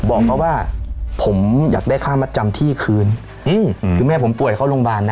บอกเขาว่าผมอยากได้ค่ามัดจำที่คืนอืมคือแม่ผมป่วยเข้าโรงพยาบาลนะ